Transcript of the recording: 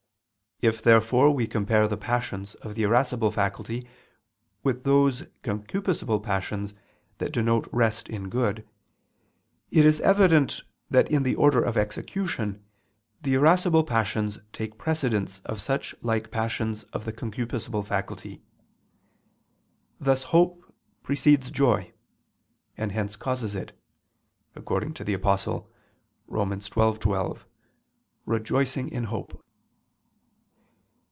If, therefore, we compare the passions of the irascible faculty with those concupiscible passions that denote rest in good, it is evident that in the order of execution, the irascible passions take precedence of such like passions of the concupiscible faculty: thus hope precedes joy, and hence causes it, according to the Apostle (Rom. 12:12): "Rejoicing in hope."